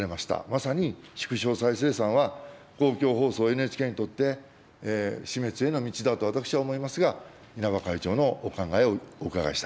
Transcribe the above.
まさに縮小再生産は公共放送、ＮＨＫにとって、死滅への道だと私は思いますが、稲葉会長のお考えをお伺いしたい。